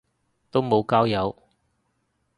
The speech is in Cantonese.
都無交友